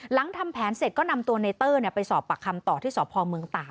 หลังทำแผนเสร็จก็นำตัวเนยเติ้ลเนี่ยไปสอบปากคำต่อที่สภมตา